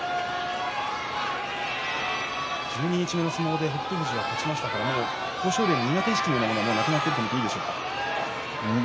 十二日目の相撲で北勝富士が勝ちましたけれども豊昇龍は苦手意識はなくなってると思っていいんでしょうか。